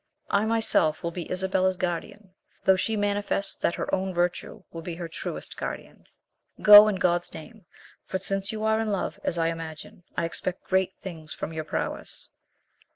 I myself will be Isabella's guardian, though she manifests that her own virtue will be her truest guardian. Go in God's name; for since you are in love, as I imagine, I expect great things from your prowess.